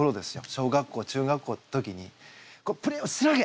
小学校中学校の時にプレーをしのげ！